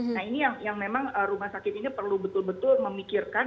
nah ini yang memang rumah sakit ini perlu betul betul memikirkan